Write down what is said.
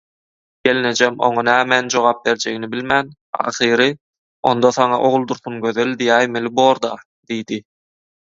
Gelnejem oňa nämen jogap berjegini bilmän ahyry «Onda saňa Oguldursungözel diýäýmeli bor-da» diýdi.